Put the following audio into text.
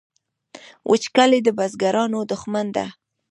وچکالي د بزګرانو دښمن ده